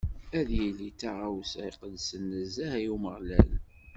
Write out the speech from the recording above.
Ad yili d taɣawsa iqedsen nezzeh i Umeɣlal.